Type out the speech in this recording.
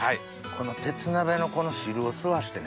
この鉄鍋のこの汁を吸わしてね。